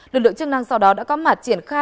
lực lượng chức năng sau đó đã có mặt triển khai